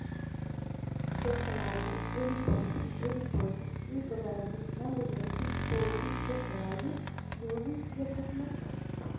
decolagem, heliponto, heliporto, hidrobase, navegante, pouso, decolagem, luzes de aproximação